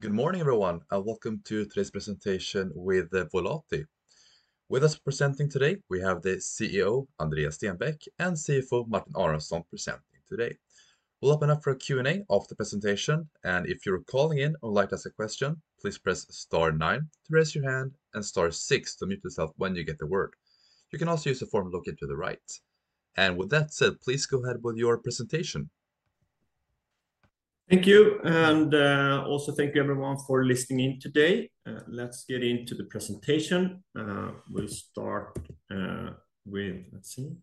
Good morning, everyone. Welcome to today's presentation with Volati. With us presenting today, we have the CEO, Andreas Stenbäck, and CFO, Martin Aronsson, presenting today. We'll open up for a Q&A after the presentation. If you're calling in and would like to ask a question, please press star 9 to raise your hand and star 6 to mute yourself when you get the word. You can also use the form located to the right. With that said, please go ahead with your presentation. Thank you. Thank you everyone for listening in today. Let's get into the presentation. We'll start with, let's see...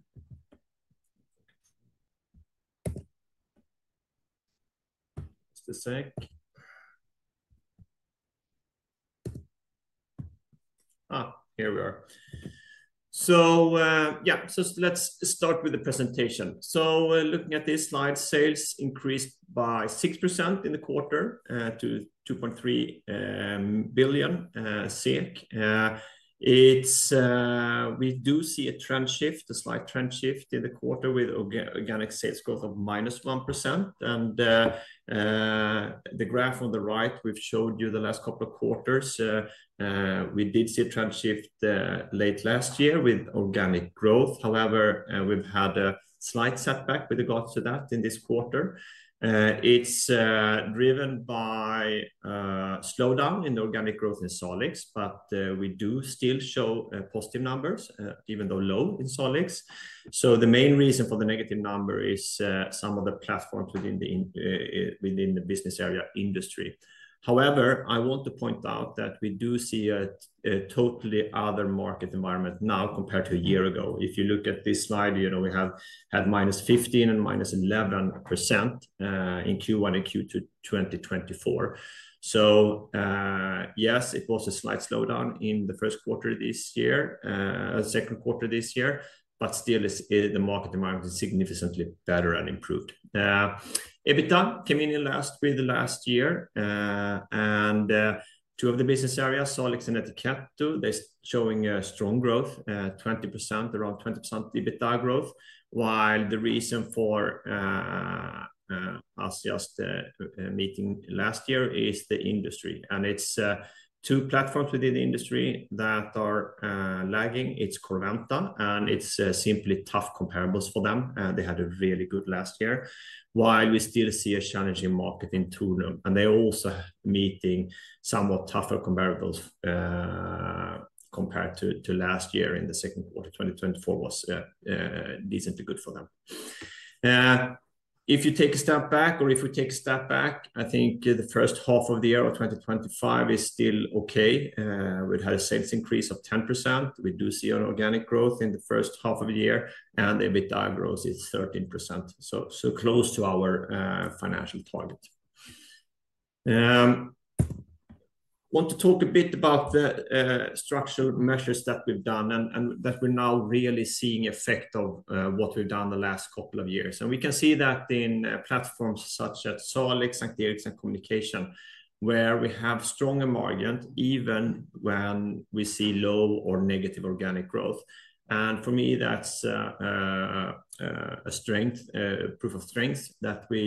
here we are. Let's start with the presentation. Looking at these slides, sales increased by 6% in the quarter to 2.3 billion SEK. We do see a trend shift, a slight trend shift in the quarter with organic sales growth of -1%. The graph on the right, we've showed you the last couple of quarters. We did see a trend shift late last year with organic growth. However, we've had a slight setback with regards to that in this quarter. It's driven by a slowdown in the organic growth in Solix Group, but we do still show positive numbers, even though low in Solix Group. The main reason for the negative number is some of the platforms within the business area Industry. I want to point out that we do see a totally other market environment now compared to a year ago. If you look at this slide, you know we have had -15% and -11% in Q1 and Q2 2024. It was a slight slowdown in the first quarter of this year, the second quarter of this year, but still, the market environment is significantly better and improved. EBITDA came in last year. Two of the business areas, Solix Group and Etiquette Group, they're showing strong growth, 20%, around 20% EBITDA growth, while the reason for us just meeting last year is the Industry. It's two platforms within the Industry that are lagging. It's Corroventa and it's simply tough comparables for them. They had a really good last year, while we still see a challenging market in Tulum Group. They're also meeting somewhat tougher comparables compared to last year in the second quarter. 2024 was decently good for them. If we take a step back, I think the first half of the year of 2024 is still okay. We've had a sales increase of 10%. We do see an organic growth in the first half of the year, and EBITDA growth is 13%. So close to our financial target. I want to talk a bit about the structural measures that we've done and that we're now really seeing the effect of what we've done the last couple of years. We can see that in platforms such as Solix Group, S:t Eriks, and Volati Communication, where we have stronger margins even when we see low or negative organic growth. For me, that's a proof of strength that we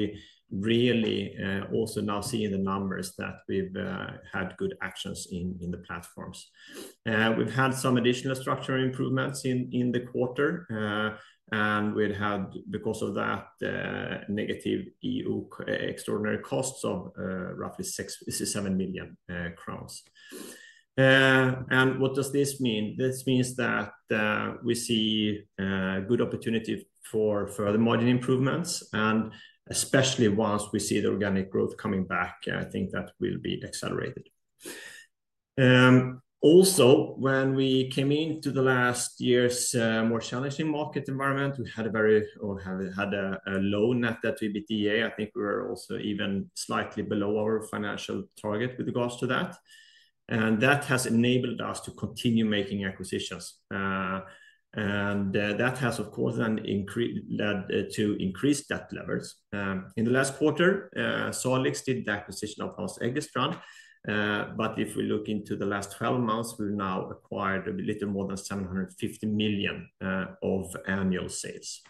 really also now see in the numbers that we've had good actions in the platforms. We've had some additional structural improvements in the quarter. We'd had, because of that, negative EU extraordinary costs of roughly 6 to 7 million crowns. What does this mean? This means that we see a good opportunity for further margin improvements, especially once we see the organic growth coming back. I think that will be accelerated. When we came into last year's more challenging market environment, we had a very, or had a low net debt to EBITDA. I think we were also even slightly below our financial target with regards to that. That has enabled us to continue making acquisitions, and that has, of course, then led to increased debt levels. In the last quarter, Solix Group did the acquisition of Haus Eggestrand. If we look into the last 12 months, we've now acquired a little more than 750 million SEK of annual sales.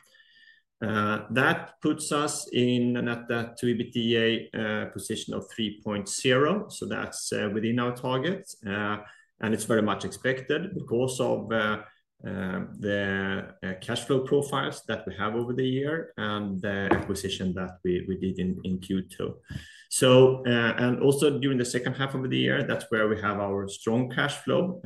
That puts us in a net debt to EBITDA position of 3.0. That's within our target, and it's very much expected because of the cash flow profiles that we have over the year and the acquisition that we did in Q2. Also, during the second half of the year, that's where we have our strong cash flow.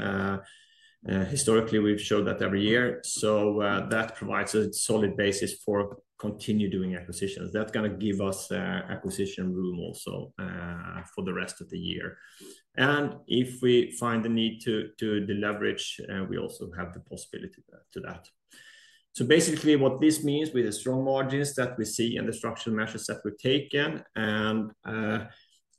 Historically, we've showed that every year. That provides a solid basis for continuing doing acquisitions. That's going to give us acquisition room also for the rest of the year. If we find the need to deleverage, we also have the possibility to do that. Basically, what this means with the strong margins that we see and the structural measures that we've taken and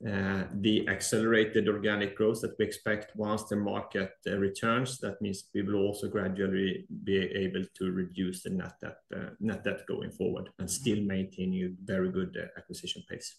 the accelerated organic growth that we expect once the market returns, that means we will also gradually be able to reduce the net debt going forward and still maintain a very good acquisition pace.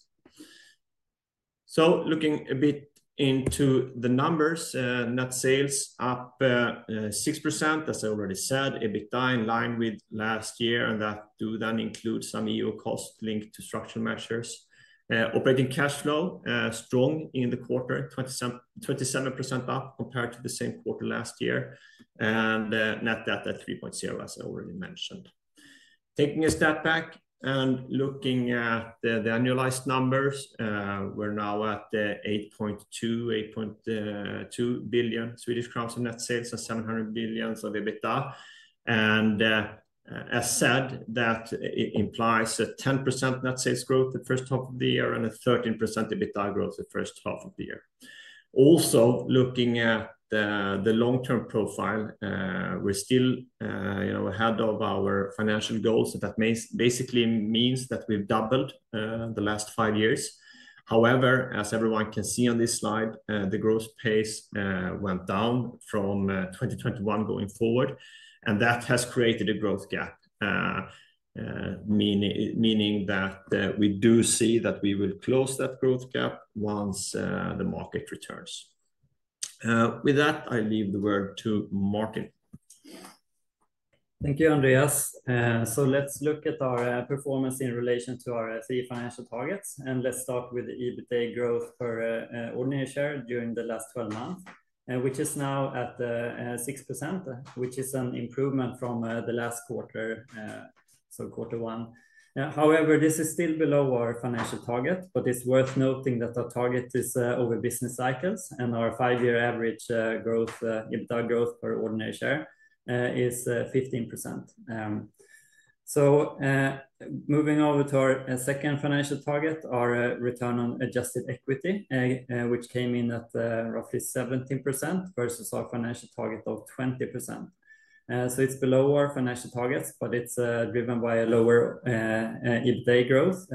Looking a bit into the numbers, net sales up 6%, as I already said, EBITDA in line with last year. That does then include some EU costs linked to structural measures. Operating cash flow strong in the quarter, 27% up compared to the same quarter last year. Net debt at 3.0, as I already mentioned. Taking a step back and looking at the annualized numbers, we're now at 8.2 billion Swedish crowns in net sales and 700 million SEK of EBITDA. As said, that implies a 10% net sales growth the first half of the year and a 13% EBITDA growth the first half of the year. Also, looking at the long-term profile, we're still ahead of our financial goals. That basically means that we've doubled the last five years. However, as everyone can see on this slide, the growth pace went down from 2021 going forward. That has created a growth gap, meaning that we do see that we will close that growth gap once the market returns. With that, I leave the word to Martin. Thank you, Andreas. Let's look at our performance in relation to our three financial targets. Let's start with the EBITDA growth per ordinary share during the last 12 months, which is now at 6%, which is an improvement from the last quarter, quarter one. However, this is still below our financial target, but it's worth noting that our target is over business cycles. Our five-year average EBITDA growth per ordinary share is 15%. Moving over to our second financial target, our return on adjusted equity came in at roughly 17% versus our financial target of 20%. It's below our financial targets, but it's driven by a lower EBITDA growth.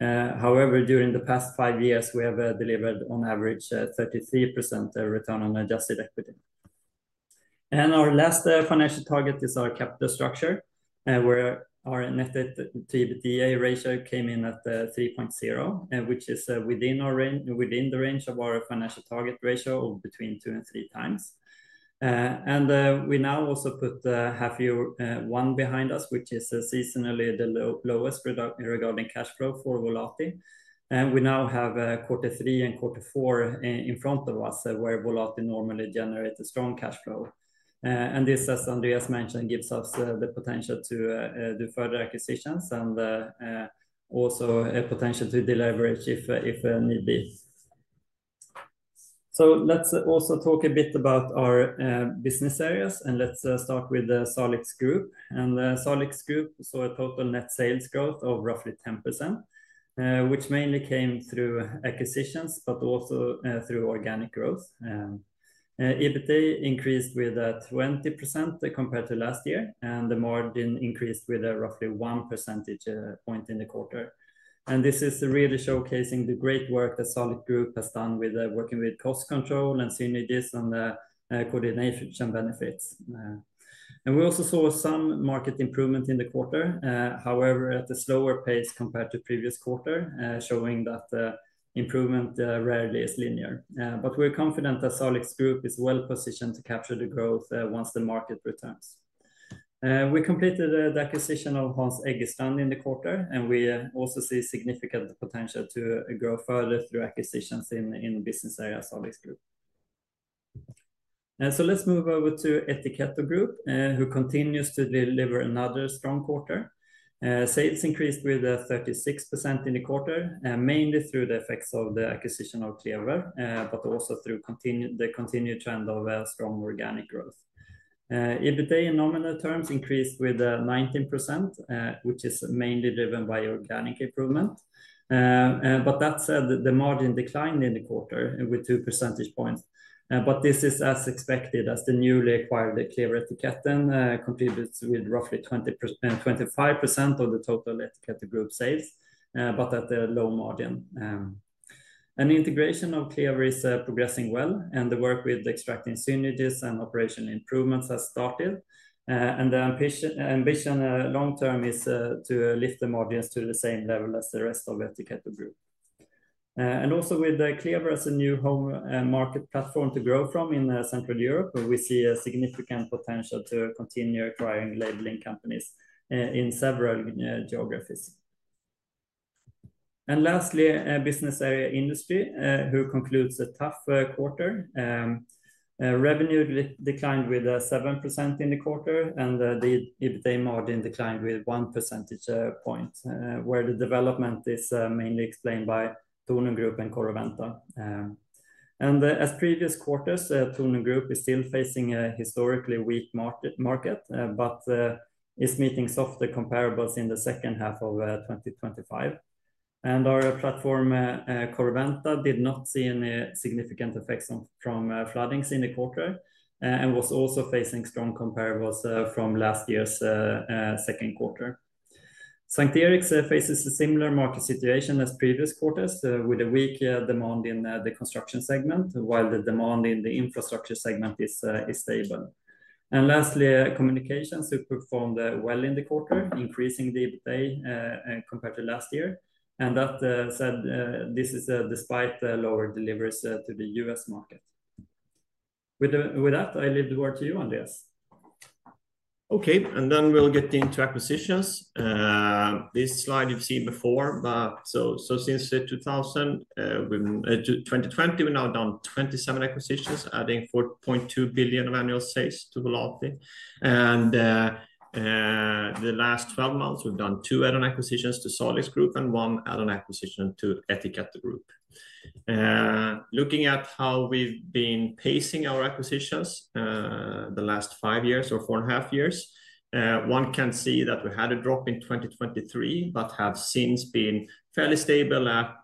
However, during the past five years, we have delivered on average 33% return on adjusted equity. Our last financial target is our capital structure, where our net debt to EBITDA ratio came in at 3.0, which is within the range of our financial target ratio of between two and three times. We now also put half year one behind us, which is seasonally the lowest regarding cash flow for Volati. We now have quarter three and quarter four in front of us, where Volati normally generates a strong cash flow. This, as Andreas mentioned, gives us the potential to do further acquisitions and also a potential to deliverage if need be. Let's also talk a bit about our business areas. Let's start with the Solix Group. The Solix Group saw a total net sales growth of roughly 10%, which mainly came through acquisitions, but also through organic growth. EBITDA increased with 20% compared to last year. The margin increased with roughly one percentage point in the quarter. This is really showcasing the great work that Solix Group has done with working with cost control and synergies and the coordination benefits. We also saw some market improvement in the quarter, however, at a slower pace compared to the previous quarter, showing that the improvement rarely is linear. We're confident that Solix Group is well positioned to capture the growth once the market returns. We completed the acquisition of Haus Eggestrand in the quarter. We also see significant potential to grow further through acquisitions in the business area Solix Group. Let's move over to Etiquette Group, who continues to deliver another strong quarter. Sales increased with 36% in the quarter, mainly through the effects of the acquisition of Clever, but also through the continued trend of strong organic growth. EBITDA in nominal terms increased with 19%, which is mainly driven by organic improvement. That said, the margin declined in the quarter with two percentage points. This is as expected as the newly acquired Clever contributes with roughly 25% of the total Etiquette Group sales, but at a low margin. The integration of Clever is progressing well, and the work with extracting synergies and operational improvements has started. The ambition long term is to lift the margins to the same level as the rest of the Etiquette Group. Also, with Clever as a new home market platform to grow from in Central Europe, we see a significant potential to continue acquiring labeling companies in several geographies. Lastly, business area Industry concludes a tough quarter. Revenue declined with 7% in the quarter, and the EBITDA margin declined with one percentage point, where the development is mainly explained by Tulum Group and Corroventa. As previous quarters, Tulum Group is still facing a historically weak market, but is meeting softer comparables in the second half of 2025. Our platform, Corroventa, did not see any significant effects from floodings in the quarter and was also facing strong comparables from last year's second quarter. St Eriks faces a similar market situation as previous quarters, with a weak demand in the construction segment, while the demand in the infrastructure segment is stable. Lastly, Communications performed well in the quarter, increasing the EBITDA compared to last year. This is despite the lower deliveries to the U.S. market. With that, I leave the word to you, Andreas. OK. Then we'll get into acquisitions. This slide you've seen before. Since 2020, we're now down 27 acquisitions, adding 4.2 billion of annual sales to Volati. In the last 12 months, we've done two add-on acquisitions to Solix Group and one add-on acquisition to Etiquette Group. Looking at how we've been pacing our acquisitions the last five years or four and a half years, one can see that we had a drop in 2023, but have since been fairly stable at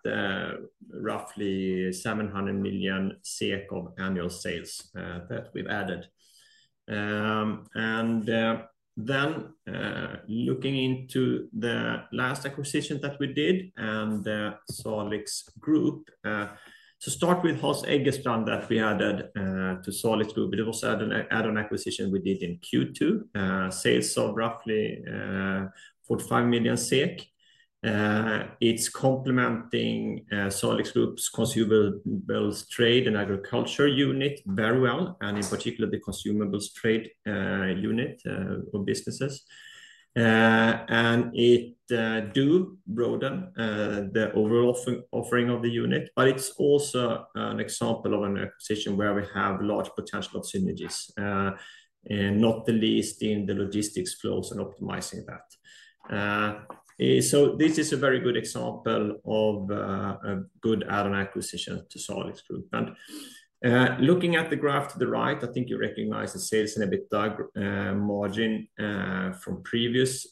roughly 700 million SEK of annual sales that we've added. Looking into the last acquisition that we did in Solix Group, to start with Haus Eggestrand that we added to Solix Group, it was an add-on acquisition we did in Q2. Sales of roughly 45 million SEK. It's complementing Solix Group's consumables trade and agriculture unit very well, and in particular, the consumables trade unit of businesses. It does broaden the overall offering of the unit. It's also an example of an acquisition where we have large potential of synergies, not the least in the logistics flows and optimizing that. This is a very good example of a good add-on acquisition to Solix Group. Looking at the graph to the right, I think you recognize the sales and EBITDA margin from previous.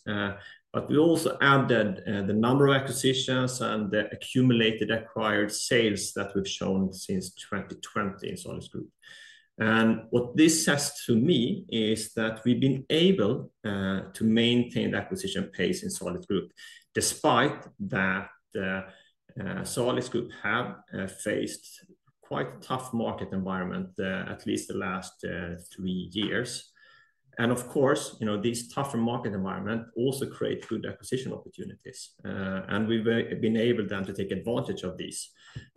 We also added the number of acquisitions and the accumulated acquired sales that we've shown since 2020 in Solix Group. What this says to me is that we've been able to maintain the acquisition pace in Solix Group, despite that Solix Group has faced quite a tough market environment at least the last three years. Of course, this tougher market environment also creates good acquisition opportunities. We've been able then to take advantage of these.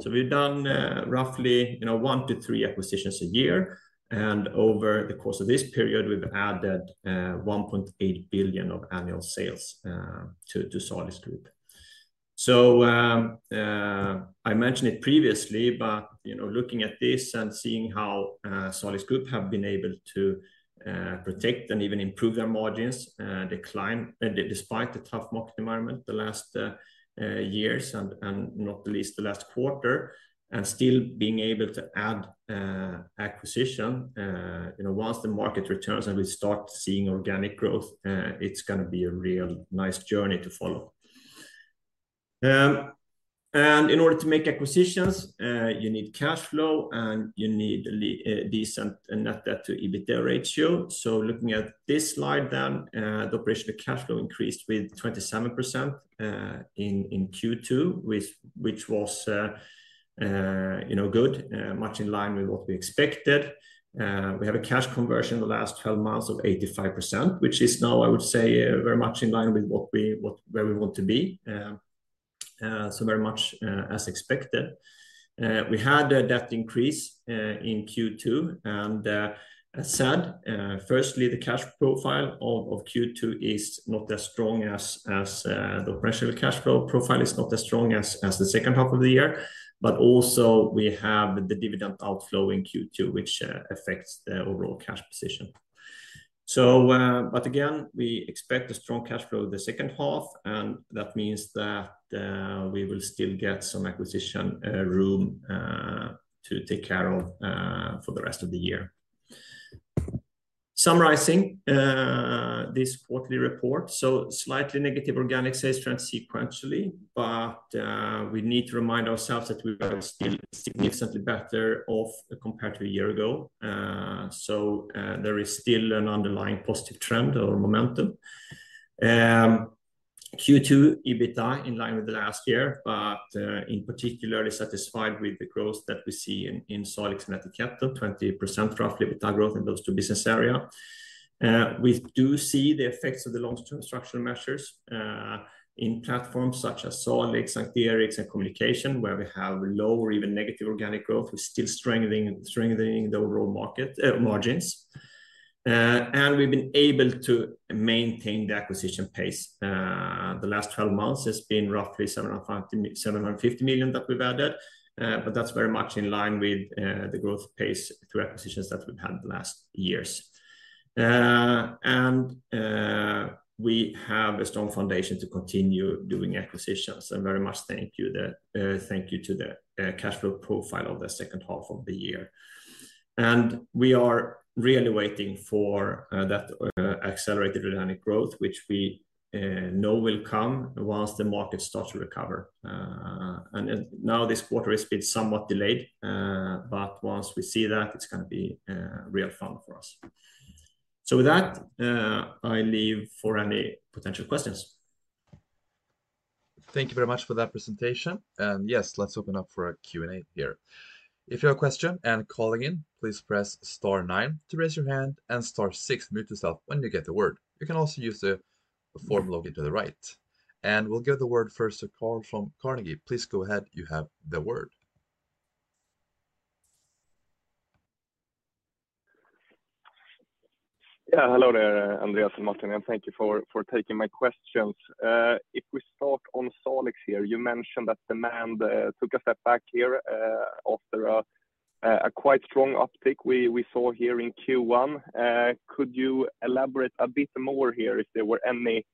We've done roughly one to three acquisitions a year. Over the course of this period, we've added 1.8 billion of annual sales to Solix Group. I mentioned it previously, but looking at this and seeing how Solix Group have been able to protect and even improve their margins despite the tough market environment the last years and not the least the last quarter, and still being able to add acquisition once the market returns and we start seeing organic growth, it's going to be a real nice journey to follow. In order to make acquisitions, you need cash flow and you need a decent net debt to EBITDA ratio. Looking at this slide then, the operational cash flow increased with 27% in Q2, which was good, much in line with what we expected. We have a cash conversion in the last 12 months of 85%, which is now, I would say, very much in line with where we want to be. Very much as expected. We had a debt increase in Q2. As said, firstly, the cash profile of Q2 is not as strong as the operational cash flow profile is not as strong as the second half of the year. We have the dividend outflow in Q2, which affects the overall cash position. Again, we expect a strong cash flow in the second half. That means that we will still get some acquisition room to take care of for the rest of the year. Summarizing this quarterly report, slightly negative organic sales trends sequentially. We need to remind ourselves that we are still significantly better off compared to a year ago. There is still an underlying positive trend or momentum. Q2 EBITDA in line with last year, but particularly satisfied with the growth that we see in Solix Group and Etiquette Group, 20% roughly EBITDA growth in those two business areas. We do see the effects of the long-term structural measures in platforms such as Solix Group, S:t Eriks, and Volati Communication, where we have low or even negative organic growth. We're still strengthening the overall margins. We've been able to maintain the acquisition pace. The last 12 months has been roughly 750 million that we've added. That's very much in line with the growth pace through acquisitions that we've had the last years. We have a strong foundation to continue doing acquisitions. Very much thank you to the cash flow profile of the second half of the year. We are really waiting for that accelerated organic growth, which we know will come once the market starts to recover. This quarter has been somewhat delayed. Once we see that, it's going to be real fun for us. With that, I leave for any potential questions. Thank you very much for that presentation. Yes, let's open up for a Q&A here. If you have a question and are calling in, please press star 9 to raise your hand and star 6 to mute yourself when you get the word. You can also use the form located to the right. We'll give the word first to Carl from Carnegie. Please go ahead. You have the word. Hello there, Andreas and Martin. Thank you for taking my questions. If we start on Solix Group, you mentioned that demand took a step back after a quite strong uptick we saw in Q1. Could you elaborate a bit more if there were any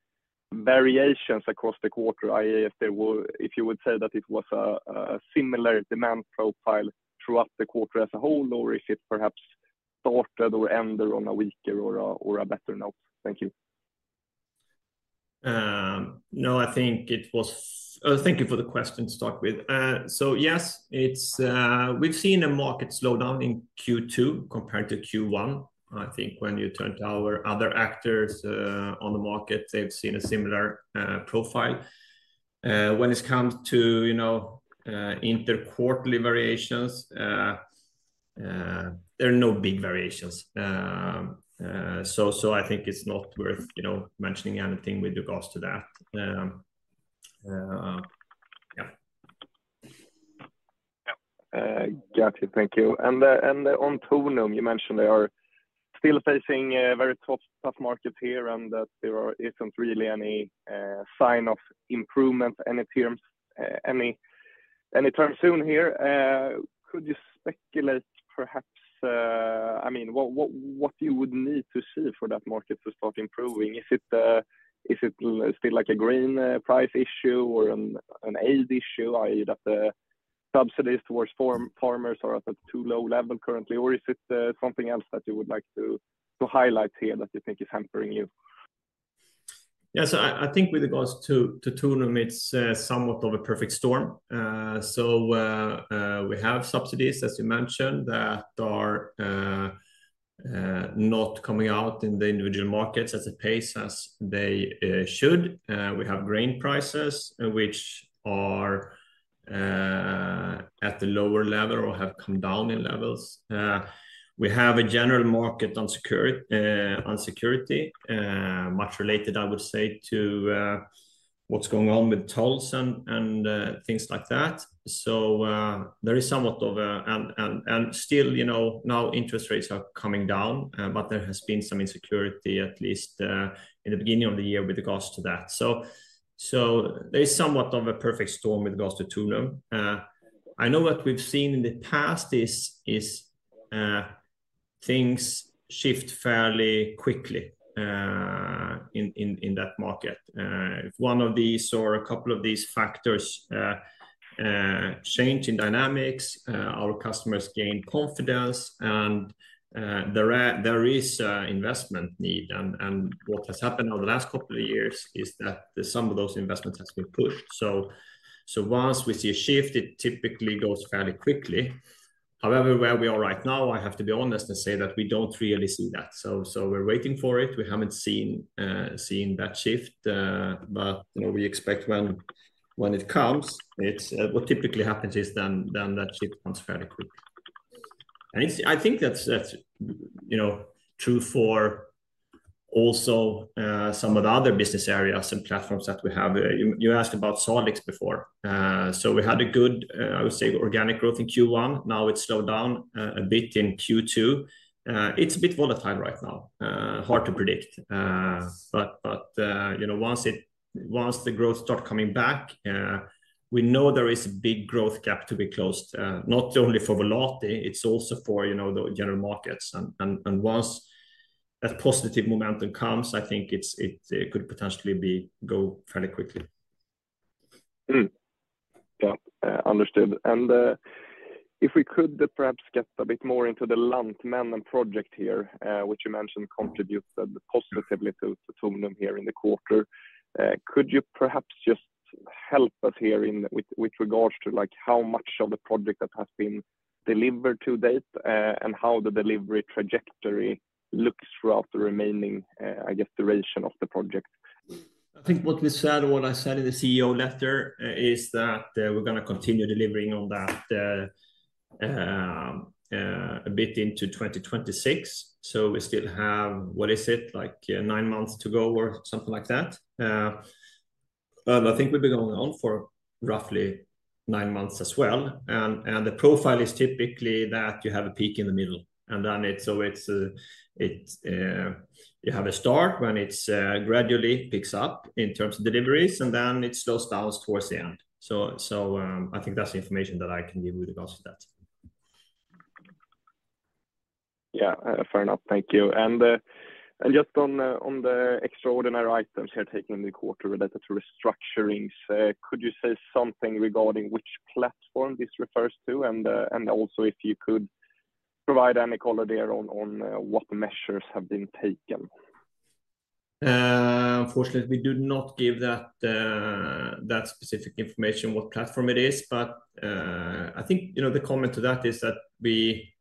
variations across the quarter, i.e., if you would say that it was a similar demand profile throughout the quarter as a whole, or if it perhaps started or ended on a weaker or a better note? Thank you. Thank you for the question to start with. Yes, we've seen a market slowdown in Q2 compared to Q1. I think when you turn to our other actors on the market, they've seen a similar profile. When it comes to interquarterly variations, there are no big variations. I think it's not worth mentioning anything with regards to that. Thank you. On Tulum, you mentioned they are still facing a very tough market here and that there isn't really any sign of improvement anytime soon here. Could you speculate, perhaps, what you would need to see for that market to start improving? Is it still like a grain price issue or an aid issue, i.e., that the subsidies towards farmers are at a too low level currently? Is it something else that you would like to highlight here that you think is hampering you? I think with regards to Tulum, it's somewhat of a perfect storm. We have subsidies, as you mentioned, that are not coming out in the individual markets at the pace as they should. We have grain prices, which are at the lower level or have come down in levels. We have a general market on security, much related, I would say, to what's going on with tolls and things like that. There is somewhat of a, and still, you know, now interest rates are coming down. There has been some insecurity at least in the beginning of the year with regards to that. There is somewhat of a perfect storm with regards to Tulum. What we've seen in the past is things shift fairly quickly in that market. If one of these or a couple of these factors change in dynamics, our customers gain confidence. There is an investment need. What has happened over the last couple of years is that some of those investments have been pushed. Once we see a shift, it typically goes fairly quickly. However, where we are right now, I have to be honest and say that we don't really see that. We're waiting for it. We haven't seen that shift. We expect when it comes, what typically happens is then that shift comes fairly quickly. I think that's true for also some of the other business areas and platforms that we have. You asked about Solix before. We had a good, I would say, organic growth in Q1. Now it's slowed down a bit in Q2. It's a bit volatile right now, hard to predict. Once the growth starts coming back, we know there is a big growth gap to be closed, not only for Volati, it's also for the general markets. Once that positive momentum comes, I think it could potentially go fairly quickly. Yeah. Understood. If we could perhaps get a bit more into the Lantmännen project here, which you mentioned contributed positively to Tulum here in the quarter, could you perhaps just help us here with regards to how much of the project has been delivered to date and how the delivery trajectory looks throughout the remaining, I guess, duration of the project? I think what we said or what I said in the CEO letter is that we're going to continue delivering on that a bit into 2026. We still have, what is it, like nine months to go or something like that. I think we've been going on for roughly nine months as well. The profile is typically that you have a peak in the middle, and then you have a start when it gradually picks up in terms of deliveries, and then it slows down towards the end. I think that's the information that I can give with regards to that. Fair enough. Thank you. Just on the extraordinary items here, taking a new quarter related to restructurings, could you say something regarding which platform this refers to? Also, if you could provide any color there on what measures have been taken? Unfortunately, we do not give that specific information what platform it is. I think the comment to that is that we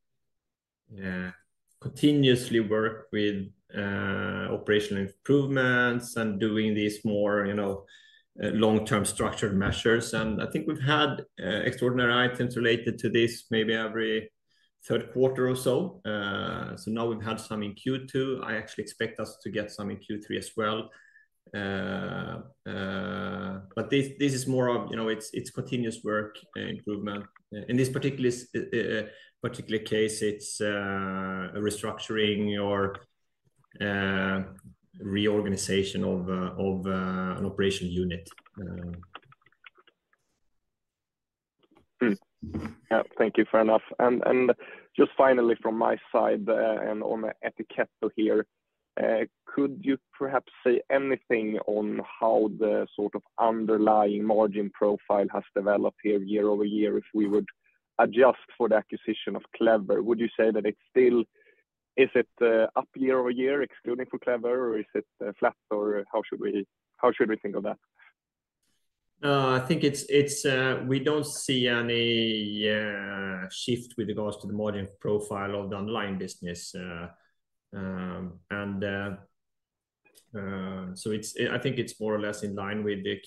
continuously work with operational improvements and doing these more long-term structured measures. I think we've had extraordinary items related to this maybe every third quarter or so. Now we've had some in Q2. I actually expect us to get some in Q3 as well. This is more of, you know, it's continuous work improvement. In this particular case, it's a restructuring or reorganization of an operational unit. Thank you. Fair enough. Just finally, from my side on Etiquette here, could you perhaps say anything on how the sort of underlying margin profile has developed here year over year? If we would adjust for the acquisition of Clever, would you say that it still is up year over year, excluding for Clever? Is it flat? How should we think of that? I think we don't see any shift with regards to the margin profile of the underlying business. I think it's more or less in line with the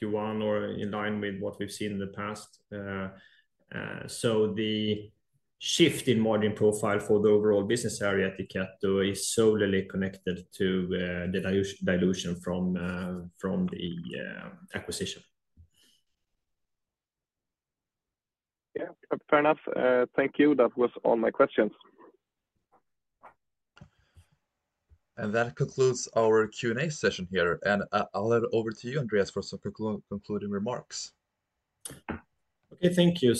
Q1 or in line with what we've seen in the past. The shift in margin profile for the overall business area Etiquette Group is solely connected to the dilution from the acquisition. Fair enough. Thank you. That was all my questions. That concludes our Q&A session here. I'll let it over to you, Andreas, for some concluding remarks. Thank you.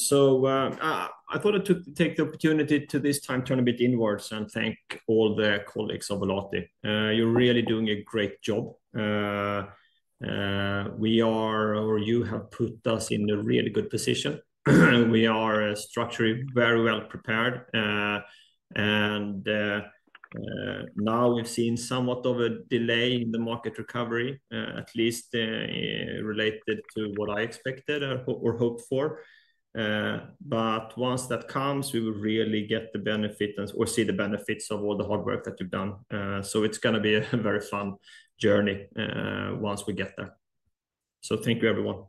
I thought I'd take the opportunity this time to turn a bit inwards and thank all the colleagues of Volati. You're really doing a great job. You have put us in a really good position. We are structurally very well prepared. We've seen somewhat of a delay in the market recovery, at least related to what I expected or hoped for. Once that comes, we will really get the benefit or see the benefits of all the hard work that you've done. It's going to be a very fun journey once we get there. Thank you, everyone.